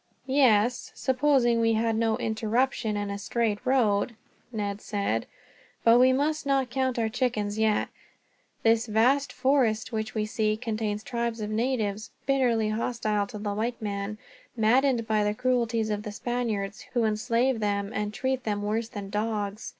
"Yes, supposing we had no interruption and a straight road," Ned said. "But we must not count our chickens yet. This vast forest which we see contains tribes of natives, bitterly hostile to the white man, maddened by the cruelties of the Spaniards, who enslave them and treat them worse than dogs.